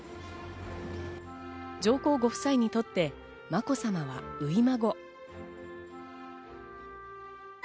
上皇ご夫妻にとってまこさまは初孫。